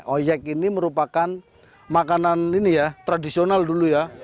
oyek ini merupakan makanan ini ya tradisional dulu ya